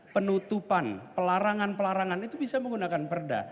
penutupan pelarangan pelarangan itu bisa menggunakan perda